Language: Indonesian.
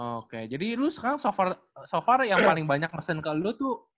oke jadi lu sekarang so far yang paling banyak mesin ke lu tuh